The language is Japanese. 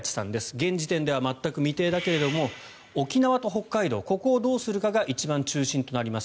現時点では全く未定だけれども沖縄と北海道ここをどうするかが一番中心となります。